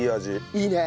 いいね。